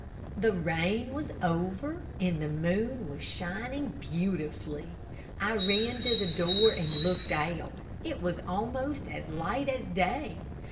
The rain was over, and the moon was shining beautifully. I ran to the door and looked out. It was almost as light as day.